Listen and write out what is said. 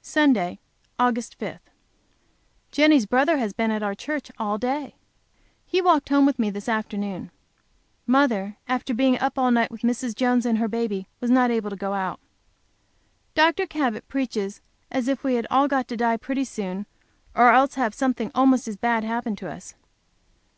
Sunday, Aug. 5. Jenny's brother has been at our church all day. He walked home with me this afternoon. Mother, after being up all night with Mrs. Jones and her baby, was not able to go out. Dr. Cabot preaches as if we had all got to die pretty soon, or else have something almost as bad happen to us.